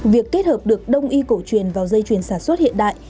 việc kết hợp được đông y cổ truyền vào dây chuyền sản xuất hiện đại